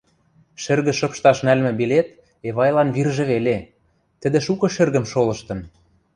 Шӹргӹ шыпшташ нӓлмӹ билет Эвайлан виржӹ веле, тӹдӹ шукы шӹргӹм шолыштын.